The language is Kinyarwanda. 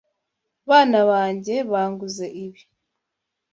Bana banjye banguze ibi.